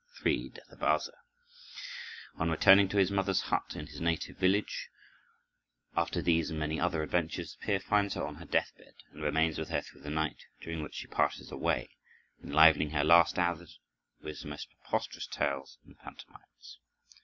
3. Death of Ase On returning to his mother's hut in his native village, after these and many other adventures, Peer finds her on her death bed, and remains with her through the night, during which she passes away, enlivening her last hours with the most preposterous tales and pantomimes.